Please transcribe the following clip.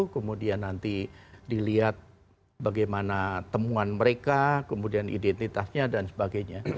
kemudian nanti dilihat bagaimana temuan mereka kemudian identitasnya dan sebagainya